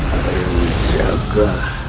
apa yang dijaga